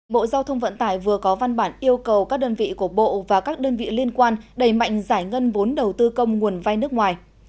bộ giao thông vận tải vừa có văn bản yêu cầu các đơn vị của bộ và các đơn vị liên quan đầy mạnh giải ngân vốn đầu tư công nguồn vai nước ngoài